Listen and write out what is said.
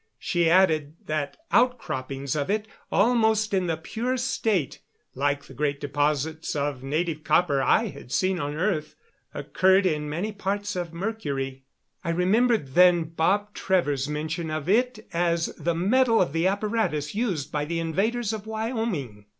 She added that outcroppings of it, almost in the pure state, like the great deposits of native copper I had seen on earth, occurred in many parts of Mercury. I remembered then Bob Trevor's mention of it as the metal of the apparatus used by the invaders of Wyoming.